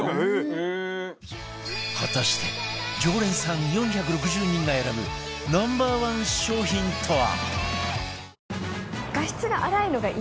果たして常連さん４６０人が選ぶ Ｎｏ．１ 商品とは？